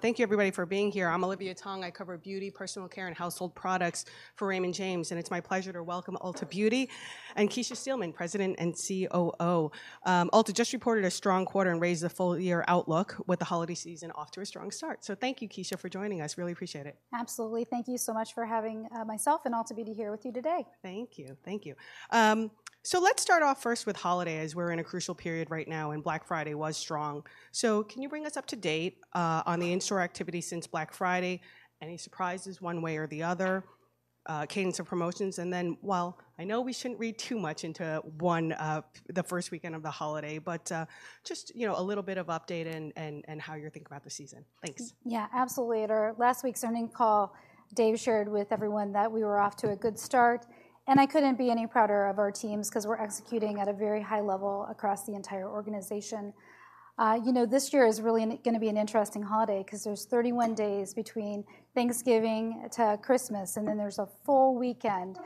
Thank you everybody for being here. I'm Olivia Tong. I cover beauty, personal care, and household products for Raymond James, and it's my pleasure to welcome Ulta Beauty, and Kecia Steelman, President and COO. Ulta just reported a strong quarter and raised the full-year outlook, with the holiday season off to a strong start. So thank you, Kecia, for joining us. Really appreciate it. Absolutely. Thank you so much for having myself and Ulta Beauty here with you today. Thank you. Thank you. So let's start off first with holiday, as we're in a crucial period right now, and Black Friday was strong. So can you bring us up to date on the in-store activity since Black Friday? Any surprises one way or the other, cadence of promotions, and then while I know we shouldn't read too much into one, the first weekend of the holiday, but just, you know, a little bit of update and how you think about the season. Thanks. Yeah, absolutely. At our last week's earnings call, Dave shared with everyone that we were off to a good start, and I couldn't be any prouder of our teams, 'cause we're executing at a very high level across the entire organization. You know, this year is really gonna be an interesting holiday, 'cause there's 31 days between Thanksgiving to Christmas, and then there's a full weekend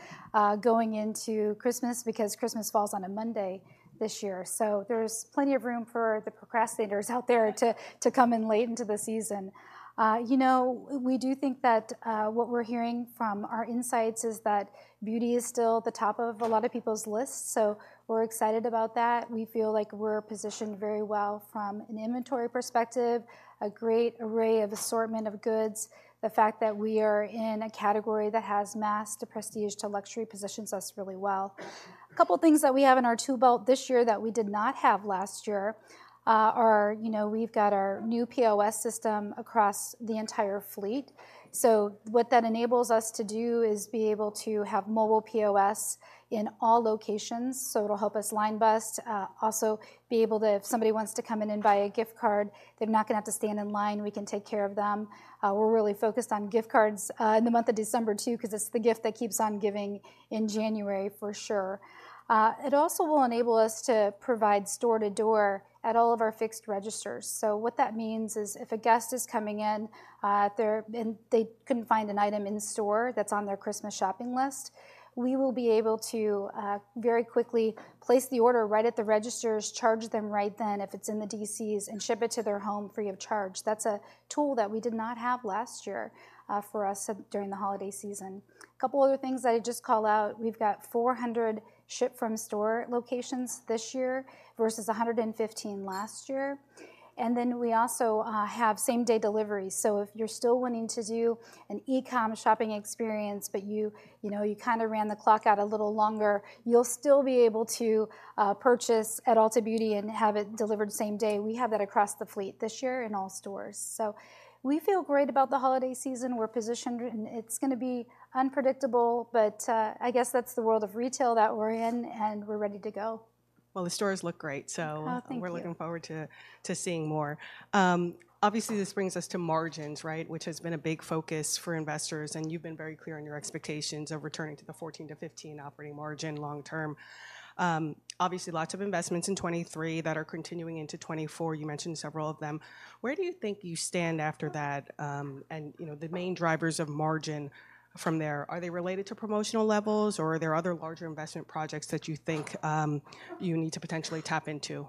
going into Christmas, because Christmas falls on a Monday this year. So there's plenty of room for the procrastinators out there to come in late into the season. You know, we do think that what we're hearing from our insights is that beauty is still at the top of a lot of people's lists, so we're excited about that. We feel like we're positioned very well from an inventory perspective, a great array of assortment of goods. The fact that we are in a category that has mass, to prestige, to luxury, positions us really well. A couple things that we have in our tool belt this year that we did not have last year are, you know, we've got our new POS system across the entire fleet. So what that enables us to do is be able to have mobile POS in all locations, so it'll help us line bust, also be able to, if somebody wants to come in and buy a gift card, they're not gonna have to stand in line. We can take care of them. We're really focused on gift cards in the month of December, too, 'cause it's the gift that keeps on giving in January for sure. It also will enable us to provide store-to-door at all of our fixed registers. So what that means is, if a guest is coming in, and they couldn't find an item in store that's on their Christmas shopping list, we will be able to, very quickly place the order right at the registers, charge them right then, if it's in the DCs, and ship it to their home free of charge. That's a tool that we did not have last year, for us, during the holiday season. A couple other things that I'd just call out, we've got 400 ship-from-store locations this year, versus 115 last year, and then we also, have same-day delivery. So if you're still wanting to do an e-com shopping experience, but you know, you kind of ran the clock out a little longer, you'll still be able to purchase at Ulta Beauty and have it delivered same day. We have that across the fleet this year in all stores. So we feel great about the holiday season. We're positioned, and it's gonna be unpredictable, but I guess that's the world of retail that we're in, and we're ready to go. Well, the stores look great, so- Oh, thank you. We're looking forward to seeing more. Obviously, this brings us to margins, right? Which has been a big focus for investors, and you've been very clear on your expectations of returning to the 14%-15% operating margin long term. Obviously, lots of investments in 2023 that are continuing into 2024. You mentioned several of them. Where do you think you stand after that, and, you know, the main drivers of margin from there? Are they related to promotional levels, or are there other larger investment projects that you think you need to potentially tap into?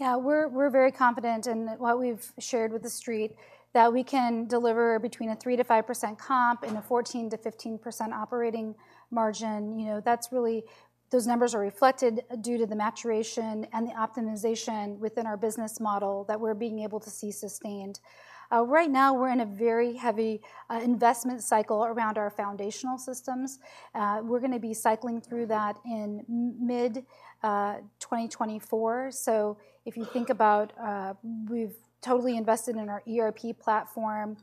Yeah. We're very confident in what we've shared with the street, that we can deliver between a 3%-5% comp and a 14%-15% operating margin. You know, that's really... Those numbers are reflected due to the maturation and the optimization within our business model that we're being able to see sustained. Right now, we're in a very heavy investment cycle around our foundational systems. We're gonna be cycling through that in mid 2024. So if you think about, we've totally invested in our ERP platform,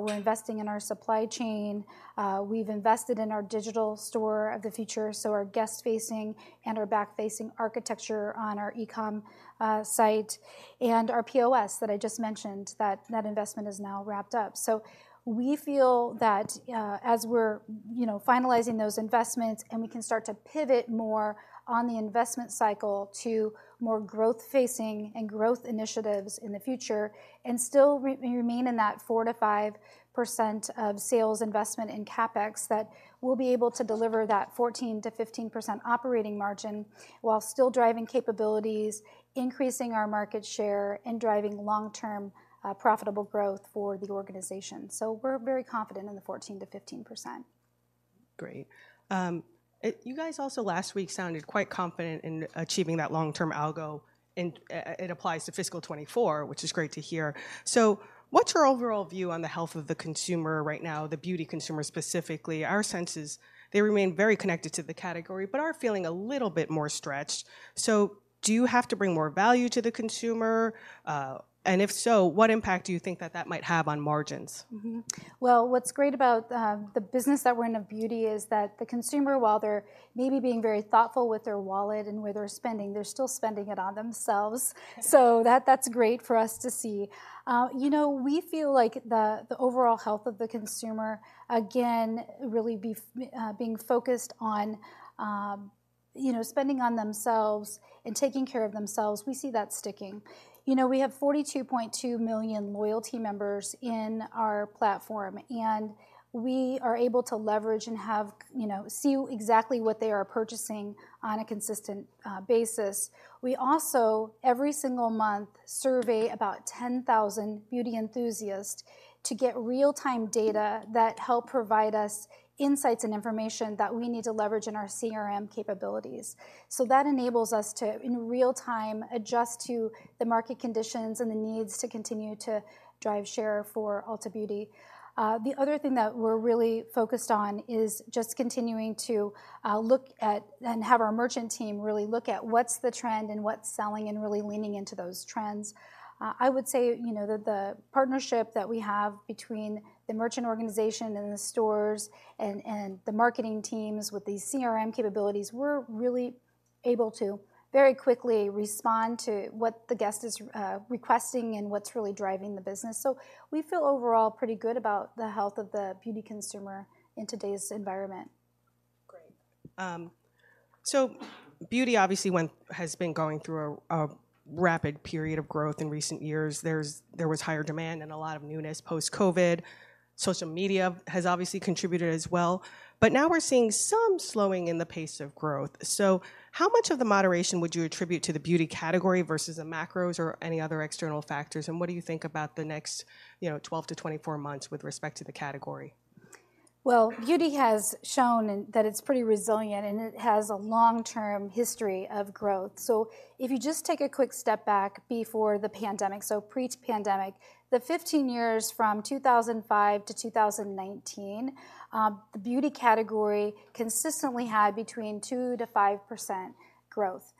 we're investing in our supply chain, we've invested in our digital store of the future, so our guest-facing and our back-facing architecture on our e-com site, and our POS that I just mentioned, that investment is now wrapped up. So we feel that, as we're, you know, finalizing those investments, and we can start to pivot more on the investment cycle to more growth-facing and growth initiatives in the future, and still remain in that 4%-5% of sales investment in CapEx, that we'll be able to deliver that 14%-15% operating margin, while still driving capabilities, increasing our market share, and driving long-term, profitable growth for the organization. So we're very confident in the 14%-15%. Great. It, you guys also, last week, sounded quite confident in achieving that long-term algo, and it applies to fiscal 2024, which is great to hear. So what's your overall view on the health of the consumer right now, the beauty consumer, specifically? Our sense is they remain very connected to the category but are feeling a little bit more stretched. So do you have to bring more value to the consumer? And if so, what impact do you think that that might have on margins? Mm-hmm. Well, what's great about, the business that we're in, of beauty, is that the consumer, while they're maybe being very thoughtful with their wallet and where they're spending, they're still spending it on themselves. So that, that's great for us to see. You know, we feel like the overall health of the consumer, again, really being focused on, you know, spending on themselves and taking care of themselves, we see that sticking. You know, we have 42.2 million loyalty members in our platform, and we are able to leverage and have you know, see exactly what they are purchasing on a consistent, basis. We also, every single month, survey about 10,000 beauty enthusiasts to get real-time data that help provide us insights and information that we need to leverage in our CRM capabilities. So that enables us to, in real time, adjust to the market conditions and the needs to continue to drive share for Ulta Beauty. The other thing that we're really focused on is just continuing to look at and have our merchant team really look at what's the trend and what's selling, and really leaning into those trends. I would say, you know, that the partnership that we have between the merchant organization and the stores, and the marketing teams with these CRM capabilities, we're really able to very quickly respond to what the guest is requesting and what's really driving the business. So we feel overall pretty good about the health of the beauty consumer in today's environment. Great. So beauty obviously has been going through a rapid period of growth in recent years. There was higher demand and a lot of newness post-COVID. Social media has obviously contributed as well. But now we're seeing some slowing in the pace of growth. So how much of the moderation would you attribute to the beauty category versus the macros or any other external factors, and what do you think about the next, you know, 12-24 months with respect to the category? Well, beauty has shown in that it's pretty resilient, and it has a long-term history of growth. So if you just take a quick step back before the pandemic, so pre-pandemic, the fifteen years from 2005-2019, the beauty category consistently had between 2%-5% growth,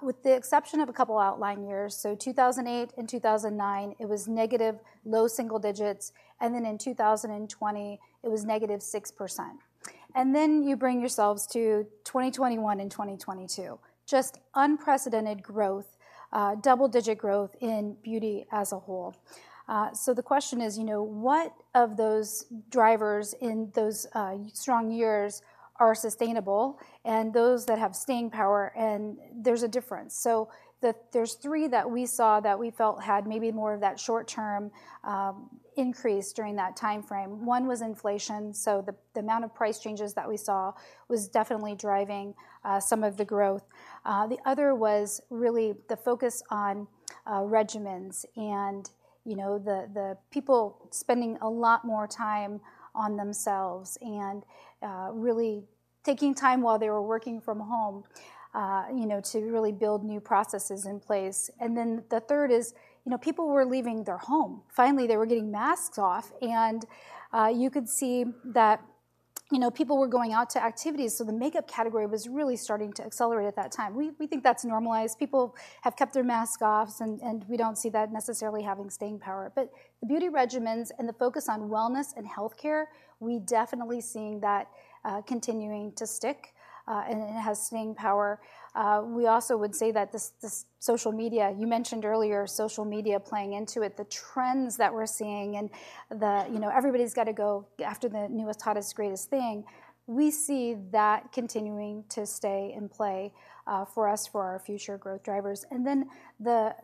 with the exception of a couple outlying years. So 2008 and 2009, it was negative, low single digits, and then in 2020, it was -6%. And then you bring yourselves to 2021 and 2022, just unprecedented growth, double-digit growth in beauty as a whole. So the question is, you know, what of those drivers in those strong years are sustainable and those that have staying power, and there's a difference. So there's three that we saw that we felt had maybe more of that short-term increase during that timeframe. One was inflation, so the amount of price changes that we saw was definitely driving some of the growth. The other was really the focus on regimens and, you know, the people spending a lot more time on themselves and really taking time while they were working from home, you know, to really build new processes in place. And then the third is, you know, people were leaving their home. Finally, they were getting masks off, and you could see that, you know, people were going out to activities, so the makeup category was really starting to accelerate at that time. We think that's normalized. People have kept their masks off, and we don't see that necessarily having staying power. But the beauty regimens and the focus on wellness and healthcare, we definitely seeing that continuing to stick, and it has staying power. We also would say that this social media, you mentioned earlier, social media playing into it, the trends that we're seeing and the, you know, everybody's got to go after the newest, hottest, greatest thing, we see that continuing to stay in play, for us, for our future growth drivers. And then the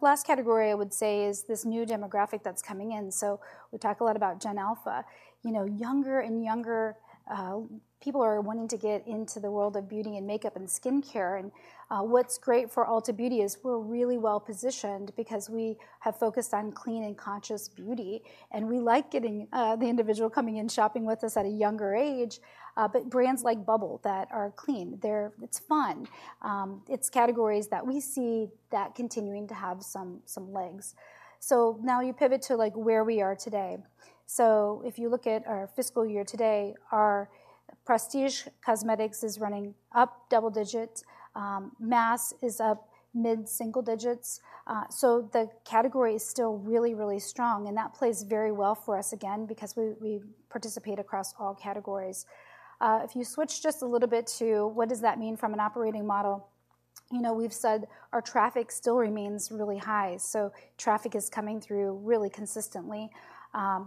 last category, I would say, is this new demographic that's coming in. So we talk a lot about Gen Alpha. You know, younger and younger, people are wanting to get into the world of beauty and makeup and skincare, and, what's great for Ulta Beauty is we're really well-positioned because we have focused on clean and conscious beauty, and we like getting... the individual coming in, shopping with us at a younger age. But brands like Bubble, that are clean, they're-- it's fun. It's categories that we see that continuing to have some, some legs. So now you pivot to, like, where we are today. So if you look at our fiscal year today, our prestige cosmetics is running up double digits, mass is up mid-single digits. So the category is still really, really strong, and that plays very well for us again, because we, we participate across all categories. If you switch just a little bit to what does that mean from an operating model? You know, we've said our traffic still remains really high, so traffic is coming through really consistently,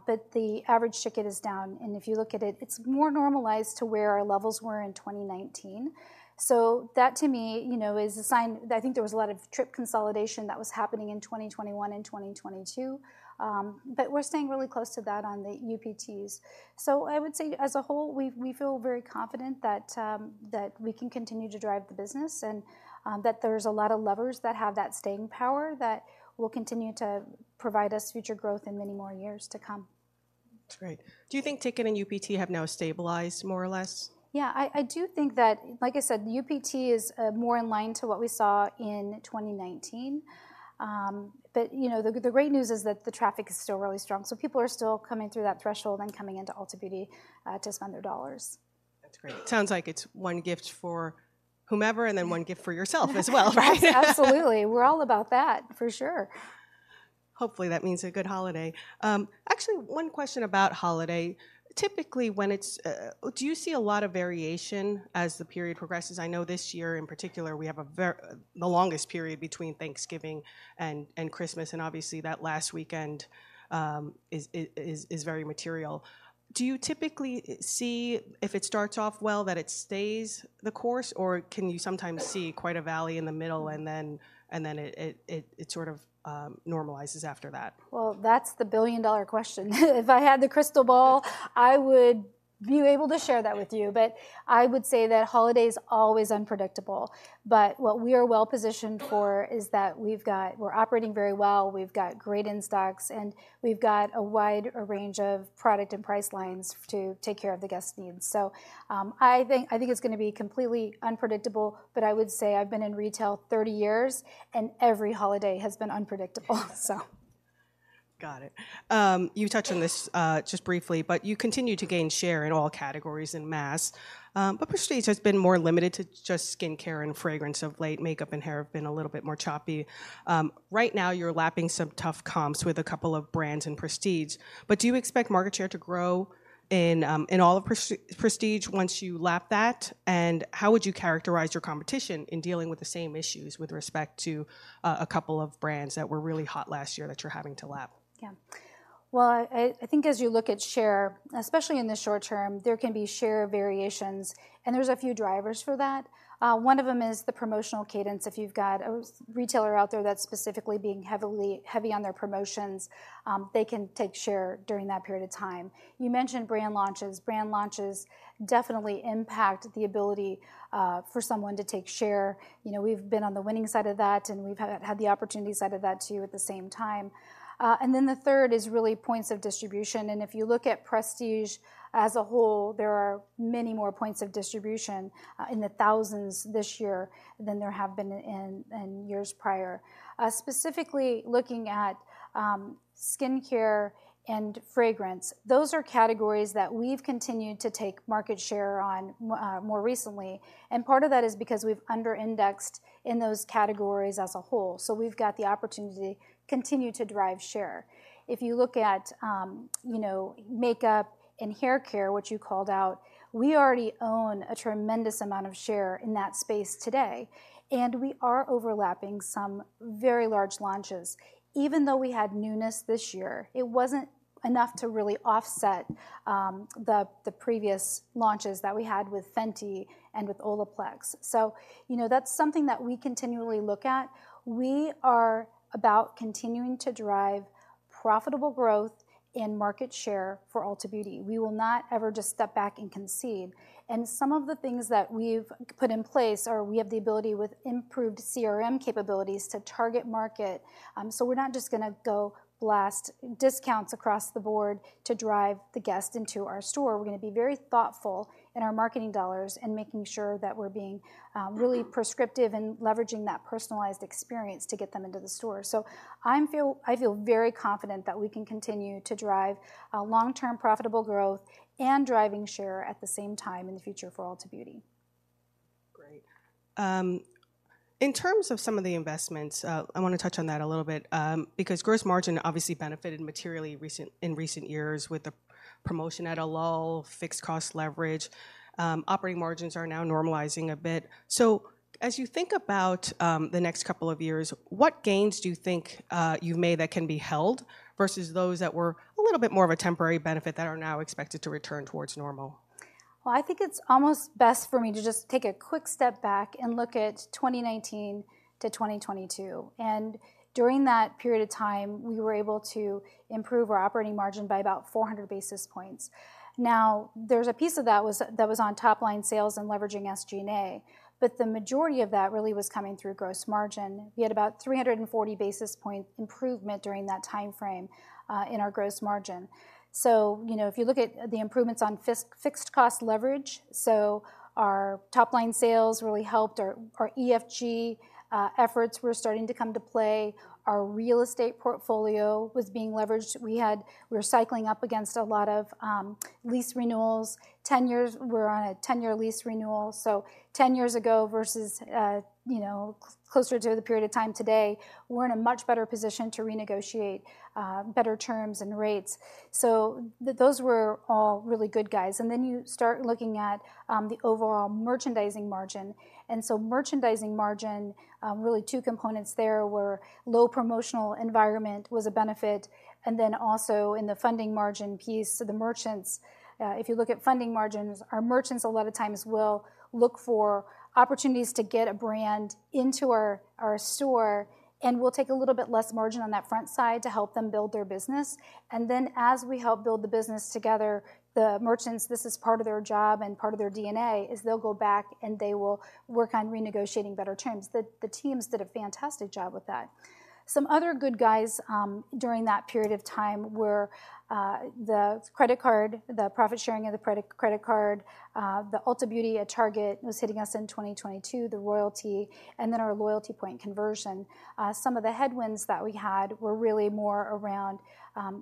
but the average ticket is down, and if you look at it, it's more normalized to where our levels were in 2019. So that, to me, you know, is a sign that I think there was a lot of trip consolidation that was happening in 2021 and 2022, but we're staying really close to that on the UPTs. So I would say, as a whole, we feel very confident that that we can continue to drive the business, and that there's a lot of levers that have that staying power that will continue to provide us future growth in many more years to come. That's great. Do you think ticket and UPT have now stabilized, more or less? Yeah, I do think that... like I said, UPT is more in line to what we saw in 2019. But, you know, the great news is that the traffic is still really strong, so people are still coming through that threshold and coming into Ulta Beauty to spend their dollars. That's great. Sounds like it's one gift for whomever and then one gift for yourself as well, right? Absolutely. We're all about that, for sure.... Hopefully, that means a good holiday. Actually, one question about holiday. Typically, when it's—do you see a lot of variation as the period progresses? I know this year, in particular, we have the longest period between Thanksgiving and Christmas, and obviously, that last weekend is very material. Do you typically see if it starts off well, that it stays the course, or can you sometimes see quite a valley in the middle, and then it sort of normalizes after that? Well, that's the billion-dollar question. If I had the crystal ball, I would be able to share that with you, but I would say that holiday is always unpredictable. But what we are well positioned for is that we've got, we're operating very well, we've got great in stocks, and we've got a wide range of product and price lines to take care of the guests' needs. So, I think, I think it's gonna be completely unpredictable, but I would say I've been in retail 30 years, and every holiday has been unpredictable, so. Got it. You touched on this just briefly, but you continue to gain share in all categories in mass. But prestige has been more limited to just skincare and fragrance of late. Makeup and hair have been a little bit more choppy. Right now, you're lapping some tough comps with a couple of brands in prestige. But do you expect market share to grow in all of prestige once you lap that? And how would you characterize your competition in dealing with the same issues with respect to a couple of brands that were really hot last year that you're having to lap? Yeah. Well, I think as you look at share, especially in the short term, there can be share variations, and there's a few drivers for that. One of them is the promotional cadence. If you've got a retailer out there that's specifically being heavily heavy on their promotions, they can take share during that period of time. You mentioned brand launches. Brand launches definitely impact the ability for someone to take share. You know, we've been on the winning side of that, and we've had the opportunity side of that, too, at the same time. And then the third is really points of distribution, and if you look at prestige as a whole, there are many more points of distribution in the thousands this year than there have been in years prior. Specifically looking at, skincare and fragrance, those are categories that we've continued to take market share on more recently, and part of that is because we've under-indexed in those categories as a whole. So we've got the opportunity to continue to drive share. If you look at, you know, makeup and hair care, which you called out, we already own a tremendous amount of share in that space today, and we are overlapping some very large launches. Even though we had newness this year, it wasn't enough to really offset the previous launches that we had with Fenty and with Olaplex. So, you know, that's something that we continually look at. We are about continuing to drive profitable growth in market share for Ulta Beauty. We will not ever just step back and concede. Some of the things that we've put in place are, we have the ability with improved CRM capabilities to target market. So we're not just gonna go blast discounts across the board to drive the guest into our store. We're gonna be very thoughtful in our marketing dollars and making sure that we're being really prescriptive in leveraging that personalized experience to get them into the store. So I feel very confident that we can continue to drive long-term profitable growth and driving share at the same time in the future for Ulta Beauty. Great. In terms of some of the investments, I wanna touch on that a little bit, because gross margin obviously benefited materially in recent years with the promotion at a lull, fixed cost leverage. Operating margins are now normalizing a bit. So as you think about the next couple of years, what gains do you think you've made that can be held versus those that were a little bit more of a temporary benefit that are now expected to return towards normal? Well, I think it's almost best for me to just take a quick step back and look at 2019-2022, and during that period of time, we were able to improve our operating margin by about 400 basis points. Now, there's a piece of that was, that was on top line sales and leveraging SG&A, but the majority of that really was coming through gross margin. We had about 340 basis point improvement during that timeframe in our gross margin. So, you know, if you look at the improvements on fixed cost leverage, so our top-line sales really helped. Our, our EFG efforts were starting to come to play. Our real estate portfolio was being leveraged. We had-- We were cycling up against a lot of lease renewals. 10 years... We're on a 10-year lease renewal, so 10 years ago versus, you know, closer to the period of time today, we're in a much better position to renegotiate, better terms and rates. So those were all really good guys. And then you start looking at, the overall merchandising margin, and so merchandising margin, really two components there were low promotional environment was a benefit, and then also in the funding margin piece, so the merchants... If you look at funding margins, our merchants, a lot of times, will look for opportunities to get a brand into our, our store, and we'll take a little bit less margin on that front side to help them build their business. And then, as we help build the business together, the merchants, this is part of their job and part of their DNA, is they'll go back, and they will work on renegotiating better terms. The teams did a fantastic job with that. Some other good guys, during that period of time were, the credit card, the profit sharing of the credit card, the Ulta Beauty at Target was hitting us in 2022, the royalty, and then our loyalty point conversion. Some of the headwinds that we had were really more around,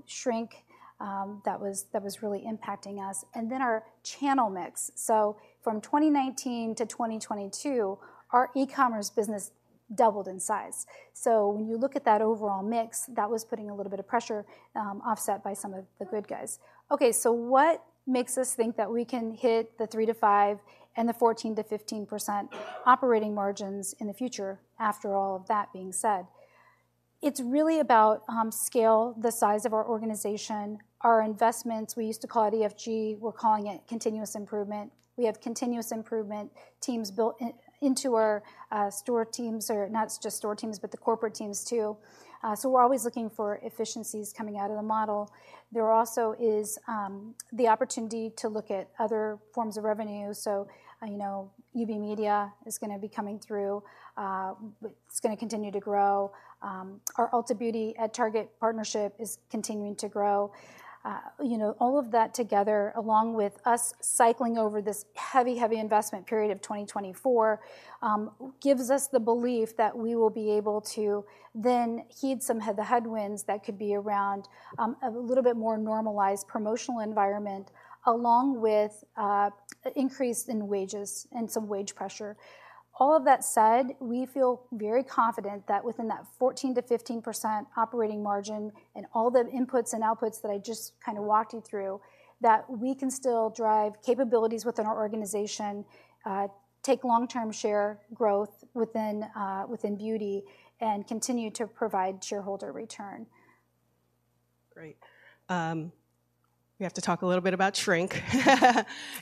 shrink, that was really impacting us, and then our channel mix. So from 2019-2022, our e-commerce business doubled in size. So when you look at that overall mix, that was putting a little bit of pressure, offset by some of the good guys. Okay, so what makes us think that we can hit the 3%-5% and the 14%-15% operating margins in the future after all of that being said? It's really about scale, the size of our organization, our investments. We used to call it EFG, we're calling it continuous improvement. We have continuous improvement teams built in into our store teams, or not just store teams, but the corporate teams, too. So we're always looking for efficiencies coming out of the model. There also is the opportunity to look at other forms of revenue. So, you know, UB Media is gonna be coming through, it's gonna continue to grow. Our Ulta Beauty at Target partnership is continuing to grow. You know, all of that together, along with us cycling over this heavy, heavy investment period of 2024, gives us the belief that we will be able to then heed some of the headwinds that could be around, a little bit more normalized promotional environment, along with, an increase in wages and some wage pressure. All of that said, we feel very confident that within that 14%-15% operating margin and all the inputs and outputs that I just kind of walked you through, that we can still drive capabilities within our organization, take long-term share growth within, within beauty, and continue to provide shareholder return. Great. We have to talk a little bit about shrink.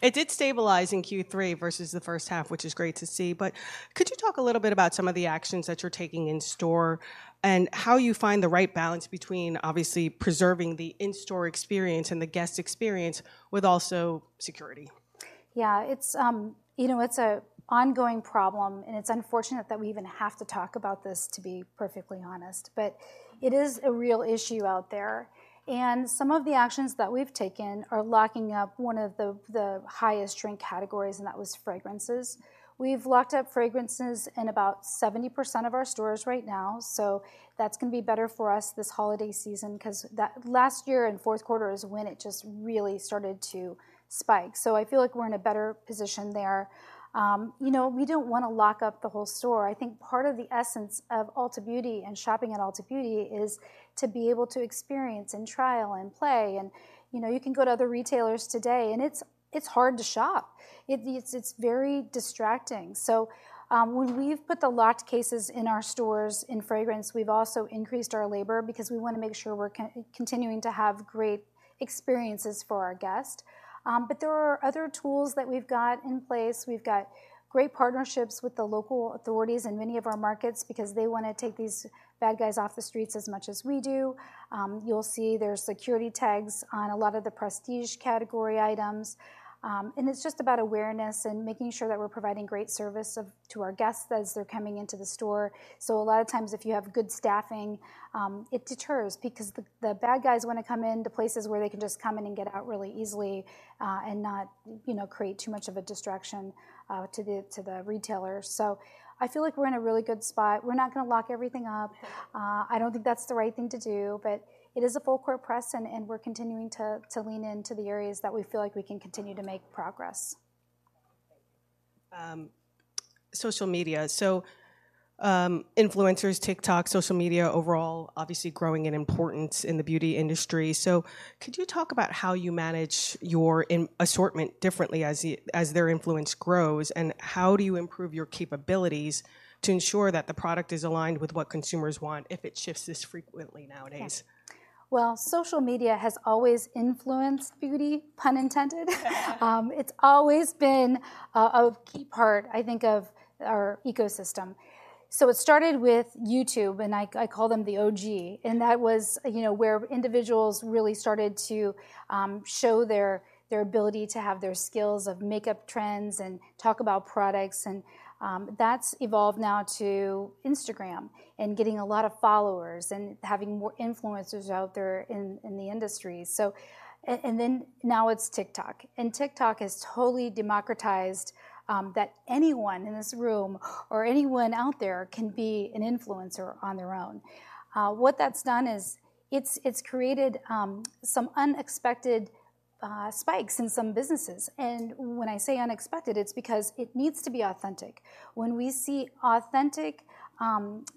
It did stabilize in Q3 versus the first half, which is great to see, but could you talk a little bit about some of the actions that you're taking in store, and how you find the right balance between obviously preserving the in-store experience and the guest experience, with also security? Yeah, it's, you know, it's an ongoing problem, and it's unfortunate that we even have to talk about this, to be perfectly honest. But it is a real issue out there, and some of the actions that we've taken are locking up one of the highest shrink categories, and that was fragrances. We've locked up fragrances in about 70% of our stores right now, so that's gonna be better for us this holiday season, 'cause that last year in fourth quarter is when it just really started to spike. So I feel like we're in a better position there. You know, we don't wanna lock up the whole store. I think part of the essence of Ulta Beauty and shopping at Ulta Beauty is to be able to experience, and trial, and play, and, you know, you can go to other retailers today, and it's very distracting. So, when we've put the locked cases in our stores in fragrance, we've also increased our labor, because we wanna make sure we're continuing to have great experiences for our guests. But there are other tools that we've got in place. We've got great partnerships with the local authorities in many of our markets, because they wanna take these bad guys off the streets as much as we do. You'll see there's security tags on a lot of the prestige category items. It's just about awareness and making sure that we're providing great service to our guests as they're coming into the store. So a lot of times, if you have good staffing, it deters because the bad guys wanna come into places where they can just come in and get out really easily, and not, you know, create too much of a distraction to the retailer. So I feel like we're in a really good spot. We're not gonna lock everything up. I don't think that's the right thing to do, but it is a full court press, and we're continuing to lean into the areas that we feel like we can continue to make progress. Social media. So, influencers, TikTok, social media overall, obviously growing in importance in the beauty industry. So could you talk about how you manage your in-assortment differently as their influence grows, and how do you improve your capabilities to ensure that the product is aligned with what consumers want if it shifts this frequently nowadays? Well, social media has always influenced beauty, pun intended. It's always been a key part, I think, of our ecosystem. So it started with YouTube, and I call them the OG, and that was, you know, where individuals really started to show their ability to have their skills of makeup trends and talk about products, and that's evolved now to Instagram, and getting a lot of followers, and having more influencers out there in the industry. And then now it's TikTok, and TikTok has totally democratized that anyone in this room or anyone out there can be an influencer on their own. What that's done is, it's created some unexpected spikes in some businesses, and when I say unexpected, it's because it needs to be authentic. When we see authentic,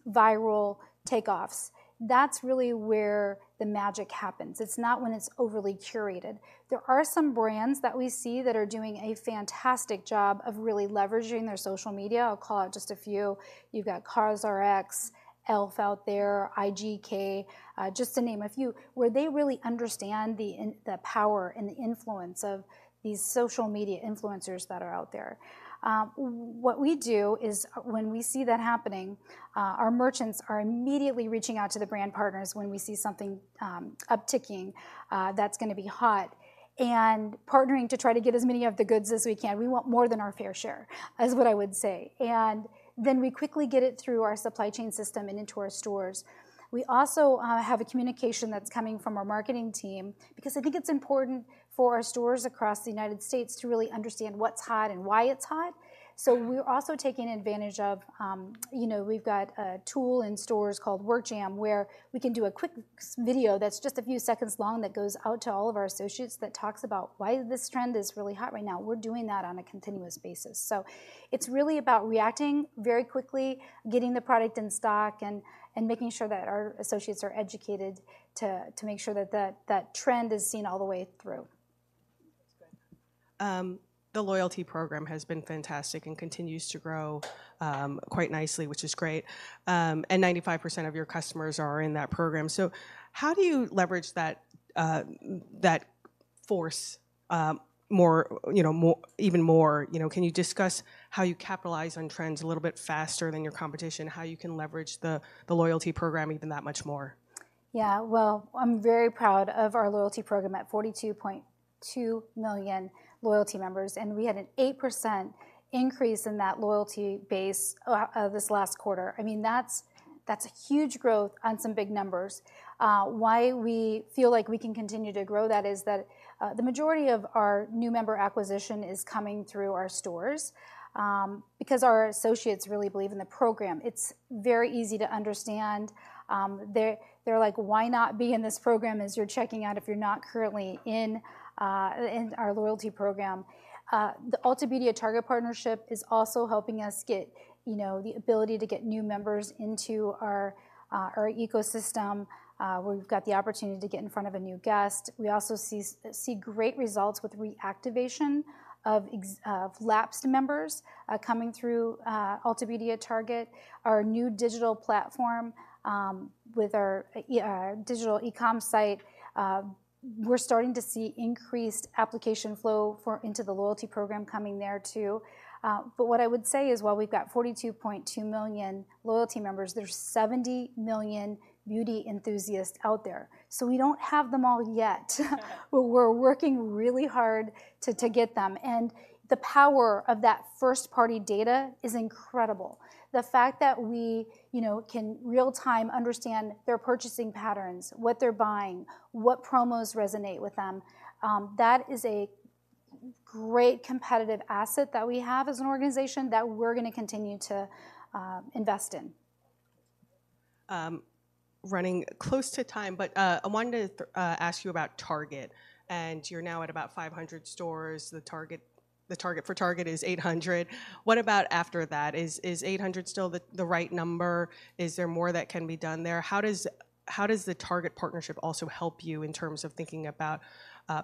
viral takeoffs, that's really where the magic happens. It's not when it's overly curated. There are some brands that we see that are doing a fantastic job of really leveraging their social media. I'll call out just a few. You've got COSRX, e.l.f. out there, IGK, just to name a few, where they really understand the power and the influence of these social media influencers that are out there. What we do is, when we see that happening, our merchants are immediately reaching out to the brand partners when we see something, upticking, that's gonna be hot, and partnering to try to get as many of the goods as we can. We want more than our fair share, is what I would say. And then we quickly get it through our supply chain system and into our stores. We also have a communication that's coming from our marketing team, because I think it's important for our stores across the United States to really understand what's hot and why it's hot. So we're also taking advantage of, you know, we've got a tool in stores called WorkJam, where we can do a quick video that's just a few seconds long, that goes out to all of our associates, that talks about why this trend is really hot right now. We're doing that on a continuous basis. So it's really about reacting very quickly, getting the product in stock, and making sure that our associates are educated to make sure that that trend is seen all the way through. ... The loyalty program has been fantastic and continues to grow quite nicely, which is great. And 95% of your customers are in that program. So how do you leverage that force more, you know, more—even more? You know, can you discuss how you capitalize on trends a little bit faster than your competition, how you can leverage the loyalty program even that much more? Yeah, well, I'm very proud of our loyalty program at 42.2 million loyalty members, and we had an 8% increase in that loyalty base this last quarter. I mean, that's a huge growth on some big numbers. Why we feel like we can continue to grow that is that the majority of our new member acquisition is coming through our stores because our associates really believe in the program. It's very easy to understand. They're like: "Why not be in this program as you're checking out if you're not currently in our loyalty program?" The Ulta Beauty at Target partnership is also helping us get, you know, the ability to get new members into our our ecosystem, where we've got the opportunity to get in front of a new guest. We also see great results with reactivation of lapsed members, coming through Ulta Beauty at Target. Our new digital platform, with our digital e-com site, we're starting to see increased application flow into the loyalty program coming there, too. But what I would say is, while we've got 42.2 million loyalty members, there's 70 million beauty enthusiasts out there. So we don't have them all yet, but we're working really hard to, to get them. And the power of that first-party data is incredible. The fact that we, you know, can real-time understand their purchasing patterns, what they're buying, what promos resonate with them, that is a great competitive asset that we have as an organization that we're gonna continue to invest in. Running close to time, but I wanted to ask you about Target, and you're now at about 500 stores. The target for Target is 800 stores. What about after that? Is 800 stores still the right number? Is there more that can be done there? How does the Target partnership also help you in terms of thinking about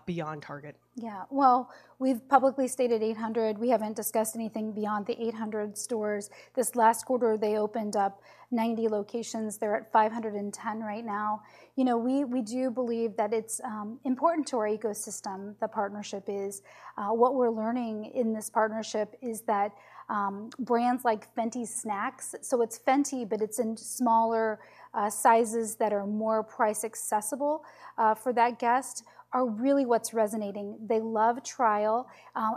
beyond Target? Yeah. Well, we've publicly stated 800 stores. We haven't discussed anything beyond the 800 stores. This last quarter, they opened up 90 locations. They're at 510 right now. You know, we do believe that it's important to our ecosystem, the partnership is. What we're learning in this partnership is that brands like Fenty Snackz, so it's Fenty, but it's in smaller sizes that are more price accessible for that guest, are really what's resonating. They love trial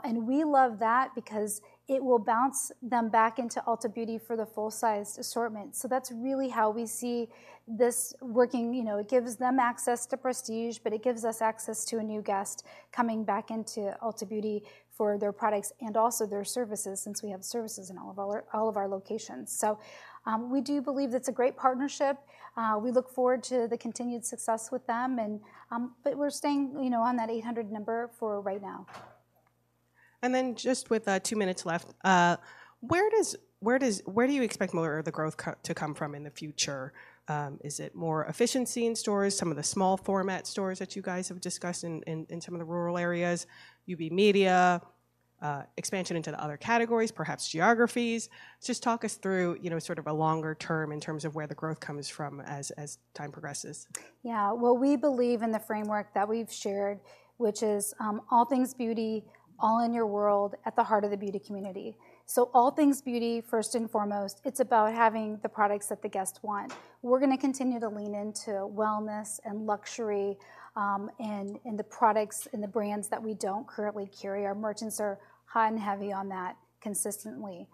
and we love that because it will bounce them back into Ulta Beauty for the full-sized assortment. So that's really how we see this working. You know, it gives them access to prestige, but it gives us access to a new guest coming back into Ulta Beauty for their products and also their services, since we have services in all of our locations. So, we do believe that's a great partnership. We look forward to the continued success with them, and, but we're staying, you know, on that 800 stores number for right now. And then just with 2 minutes left, where do you expect more of the growth to come from in the future? Is it more efficiency in stores, some of the small format stores that you guys have discussed in some of the rural areas, UB Media, expansion into the other categories, perhaps geographies? Just talk us through, you know, sort of a longer term in terms of where the growth comes from as time progresses. Yeah. Well, we believe in the framework that we've shared, which is all things beauty, all in your world, at the heart of the beauty community. So all things beauty, first and foremost, it's about having the products that the guests want. We're gonna continue to lean into wellness and luxury, and the products and the brands that we don't currently carry. Our merchants are hot and heavy on that consistently.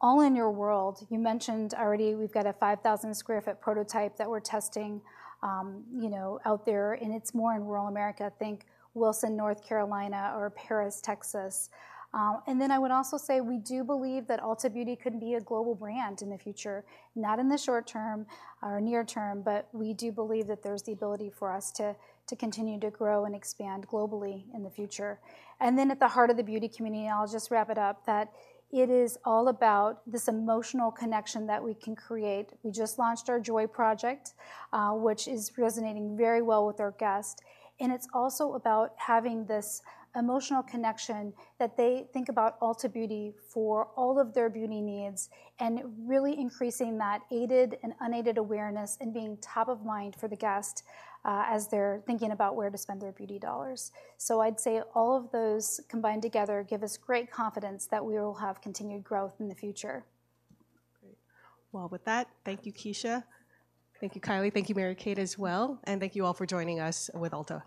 All in your world, you mentioned already we've got a 5,000 sq ft prototype that we're testing, you know, out there, and it's more in rural America. Think Wilson, North Carolina, or Paris, Texas. And then I would also say we do believe that Ulta Beauty could be a global brand in the future, not in the short term or near term, but we do believe that there's the ability for us to, to continue to grow and expand globally in the future. And then at the heart of the beauty community, and I'll just wrap it up, that it is all about this emotional connection that we can create. We just launched our Joy Project, which is resonating very well with our guests, and it's also about having this emotional connection that they think about Ulta Beauty for all of their beauty needs and really increasing that aided and unaided awareness and being top of mind for the guest, as they're thinking about where to spend their beauty dollars. I'd say all of those combined together give us great confidence that we will have continued growth in the future. Great. Well, with that, thank you, Kecia. Thank you, Kylie. Thank you, Mary Kate, as well, and thank you all for joining us with Ulta.